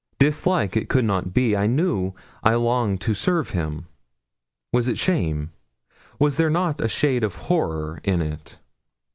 Dislike it could not be. He knew I longed to serve him. Was it shame? Was there not a shade of horror in it?